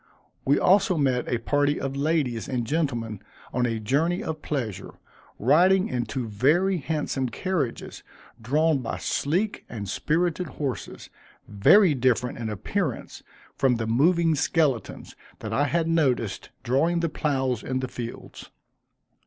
We also met a party of ladies and gentlemen on a journey of pleasure, riding in two very handsome carriages, drawn by sleek and spirited horses, very different in appearance from the moving skeletons that I had noticed drawing the ploughs in the fields.